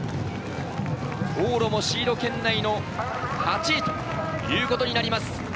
往路もシード圏内の８位となります。